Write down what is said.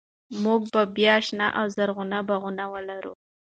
موږ به بیا شنه او زرغون باغونه ولرو.